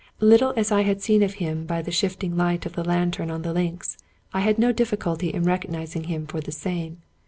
Little as I had seen of him by the shift ing light of the lantern on the links, I had no difficulty in recognizing him for the same.